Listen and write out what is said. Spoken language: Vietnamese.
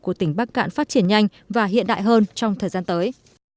của tỉnh bắc cạn phát triển nhanh và hiện đại hơn trong thời gian tới